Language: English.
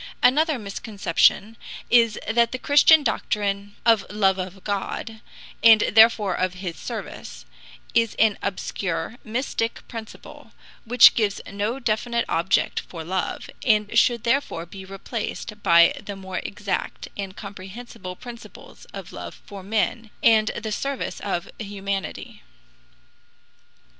Another misconception is that the Christian doctrine of love of God, and therefore of his service, is an obscure, mystic principle, which gives no definite object for love, and should therefore be replaced by the more exact and comprehensible principles of love for men and the service of humanity.